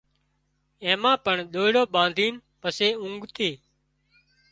اين مان پڻ ۮئيڙو ٻانڌين پسي اونگتي